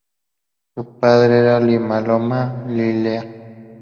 Su padre era Limaloa-Lialea.